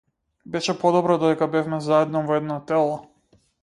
Беше подобро додека бевме заедно во едно тело.